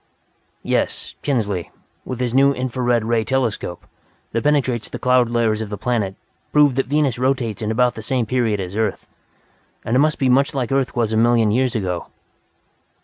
"Yes, Kinsley, with his new infra red ray telescope, that penetrates the cloud layers of the planet, proved that Venus rotates in about the same period as Earth; and it must be much like Earth was a million years ago."